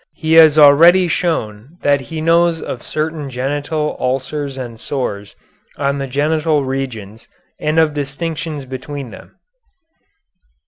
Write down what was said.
He has already shown that he knows of certain genital ulcers and sores on the genital regions and of distinctions between them.